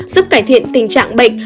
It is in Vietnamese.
giúp cải thiện tình trạng bệnh